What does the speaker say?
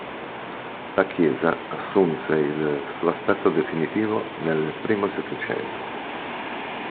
La chiesa assunse il suo aspetto definitivo nel primo Settecento.